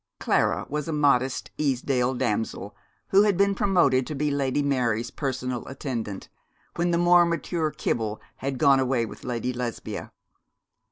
Clara was a modest Easedale damsel, who had been promoted to be Lady Mary's personal attendant, when the more mature Kibble had gone away with Lady Lesbia.